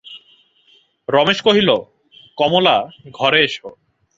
রমেশ কহিল, কমলা, ঘরে এসো।